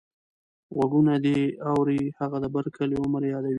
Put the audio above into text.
غوږونه دې اوري هغه د بر کلي عمر يادوې.